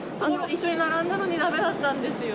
一緒に並んだのに、だめだったんですよ。